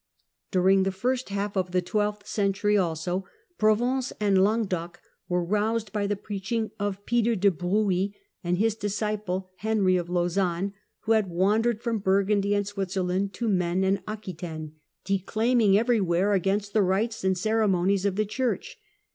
During the first half of the twelfth century, also, Provence and Languedoc were roused by the preaching of Peter de Bruis Peter de and his disciple Henry of Lausanne, who had wandered Henry of from Burgundy and Switzerland to Maine and Aquitaine, Lausanne declaiming everywhere against the rites and ceremonies of the Church.